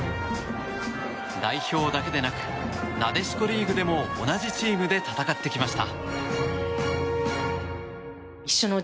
代表だけでなくなでしこリーグでも同じチームで戦ってきました。